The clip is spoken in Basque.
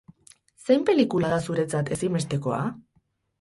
Zein pelikula da zuretzat ezinbestekoa?